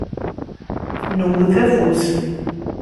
Newwet afus.